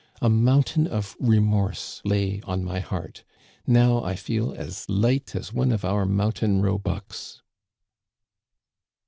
A mountain of remorse lay on my heart. Now I feel as light as one of our mountain roebucks